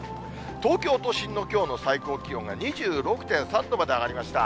東京都心のきょうの最高気温が２６．３度まで上がりました。